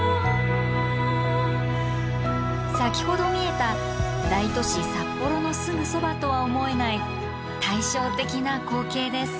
先ほど見えた大都市札幌のすぐそばとは思えない対照的な光景です。